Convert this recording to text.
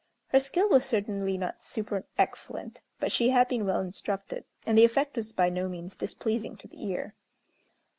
Her skill was certainly not super excellent; but she had been well instructed, and the effect was by no means displeasing to the ear.